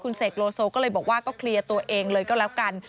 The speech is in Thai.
เสกโลโซก็เลยบอกว่าก็เคลียร์ตัวเองเลยก็แล้วกัน